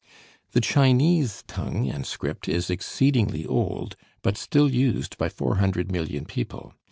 The Chinese tongue and script is exceedingly old, but still used by four hundred million people.